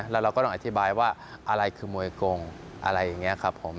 แล้วเราก็ต้องอธิบายว่าอะไรคือมวยกงอะไรอย่างนี้ครับผม